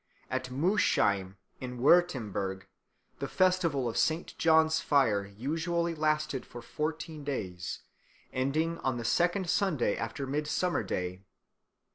At Moosheim, in Wurtemberg, the festival of St. John's Fire usually lasted for fourteen days, ending on the second Sunday after Midsummer Day.